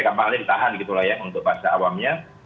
kapalnya ditahan gitu lah ya untuk bahasa awamnya